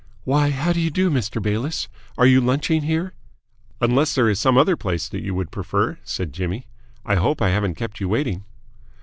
"Why, how do you do, Mr. Bayliss? Are you lunching here?" "Unless there is some other place that you would prefer," said Jimmy. "I hope I haven't kept you waiting."